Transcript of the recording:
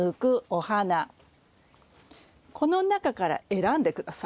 この中から選んで下さい。